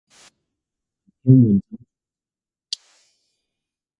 本篇文章作者也是一樣